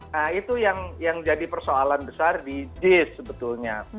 nah itu yang jadi persoalan besar di jis sebetulnya